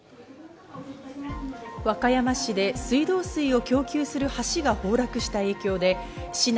和歌山市で水道水を供給する橋が崩落した影響で市内